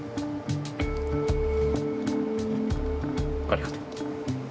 ありがとう。